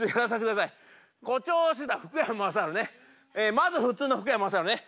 まず普通の福山雅治ね。